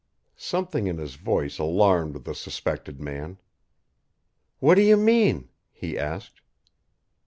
Something in his voice alarmed the suspected man. "What do you mean?" he asked.